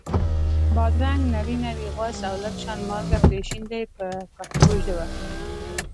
بادرنګ نري نري غوڅ او لږ شان مالګه پرې شیندئ په پښتو ژبه.